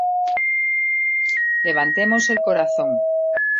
Levantemos el corazón.